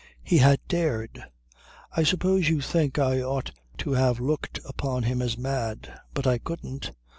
He had dared! I suppose you think I ought to have looked upon him as mad. But I couldn't.